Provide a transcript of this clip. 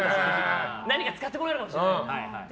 何か使ってもらえるかもしれないと。